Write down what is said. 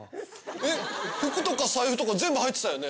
えっ服とか財布とか全部入ってたよね。